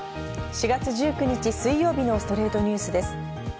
４月１９日、水曜日の『ストレイトニュース』です。